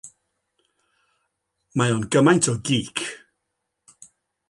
Mae o'n gymaint o gîc.